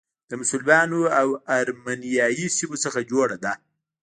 د مسلمانو او ارمنیایي سیمو څخه جوړه ده.